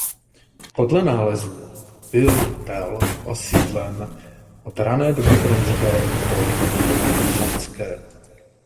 Podle nálezů byl tel osídlen od rané doby bronzové do doby byzantské.